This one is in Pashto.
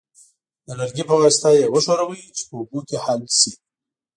د لرګي په واسطه یې وښورئ چې په اوبو کې حل شي.